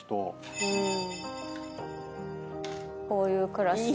こういう暮らし。